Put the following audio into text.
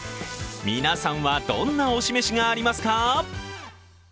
皆さんはどんな推しメシがありますか？